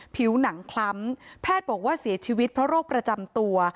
ผิวหนังคล้ำแพทย์บอกว่าเสียชีวิตเพราะโรคประจำตัว